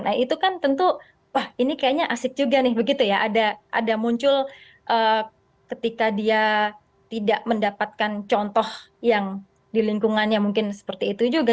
nah itu kan tentu wah ini kayaknya asik juga nih begitu ya ada muncul ketika dia tidak mendapatkan contoh yang di lingkungannya mungkin seperti itu juga